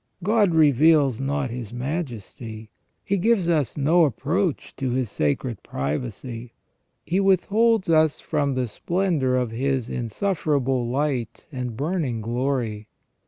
God reveals not His Majesty; He gives us no approach to His sacred privacy. He withholds us from the splendour of His insufferable light and burning glory.